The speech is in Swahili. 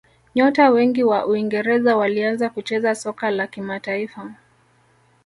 nyota wengi wa uingereza walianza kucheza soka la kimataifa